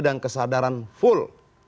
dan kesadaran full